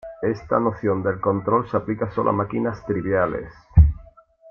Esta noción del control se aplica solo a máquinas triviales.